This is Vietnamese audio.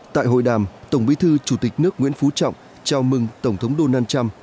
tại hội đàm tổng bí thư chủ tịch nước nguyễn phú trọng chào mừng tổng thống donald trump